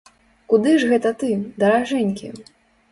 Куды ж гэта ты, даражэнькі?